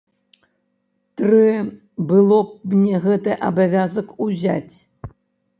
Трэ было б мне гэты абавязак узяць.